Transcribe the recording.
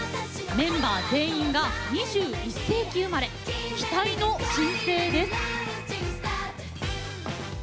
メンバー全員が２１世紀生まれ期待の新星です。